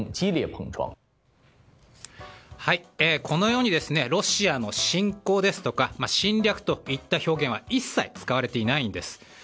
このようにロシアの侵攻ですとか侵略といった表現は一切使われていないんです。